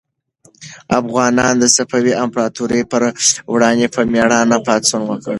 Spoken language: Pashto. افغانانو د صفوي امپراطورۍ پر وړاندې په مېړانه پاڅون وکړ.